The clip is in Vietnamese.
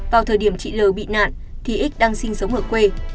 vào thời điểm chị l bị nạn thì ít đang sinh sống ở quê